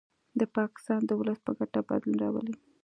د پاکستان د ولس په ګټه بدلون راولي